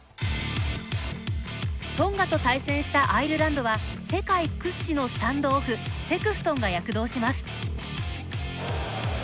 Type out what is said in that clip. トンガと対戦したアイルランドは世界屈指のスタンドオフセクストンが躍動します。